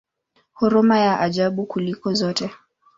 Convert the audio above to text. Huruma ya ajabu kuliko zote!